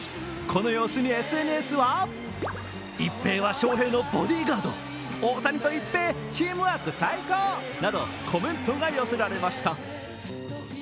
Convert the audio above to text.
この様子にＳＮＳは、一平は翔平のボディーガード、大谷と一平、チームワーク最高！などコメントが寄せられました。